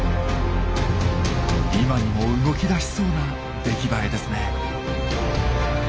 今にも動き出しそうな出来栄えですね。